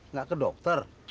nggak ke dokter